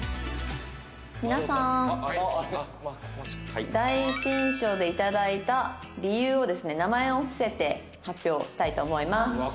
「皆さーん」「第一印象で頂いた理由をですね名前を伏せて発表したいと思います」